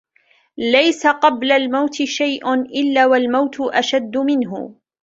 لَيْسَ قَبْلَ الْمَوْتِ شَيْءٌ إلَّا وَالْمَوْتُ أَشَدُّ مِنْهُ